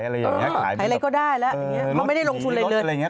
เราไม่ได้ลงภูมิอะไรยังงี้